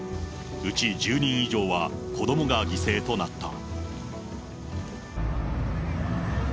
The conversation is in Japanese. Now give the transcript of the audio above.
うち１０人以上は子どもが犠牲となった。